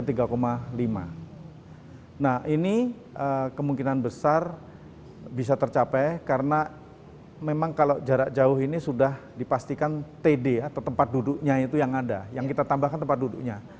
nah ini kemungkinan besar bisa tercapai karena memang kalau jarak jauh ini sudah dipastikan td atau tempat duduknya itu yang ada yang kita tambahkan tempat duduknya